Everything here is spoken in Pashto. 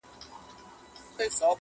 سر دي و خورم که له درده بېګانه سوم.